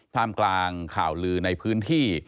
ท่ามกลางข่าวลือในพื้นที่